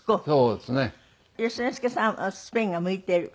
善之介さんはスペインが向いてる？